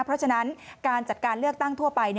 เพราะฉะนั้นการจัดการเลือกตั้งทั่วไป